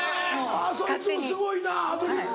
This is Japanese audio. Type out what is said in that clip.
あぁそいつもすごいなアドリブで。